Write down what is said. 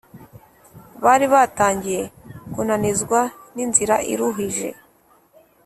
bari batangiye kunanizwa n’inzira iruhije